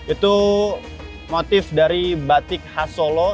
itu motif dari batik khas solo